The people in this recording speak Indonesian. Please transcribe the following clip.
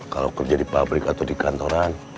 kalau kerja di pabrik atau di kantoran